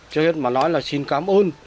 trước hết mà nói là xin cảm ơn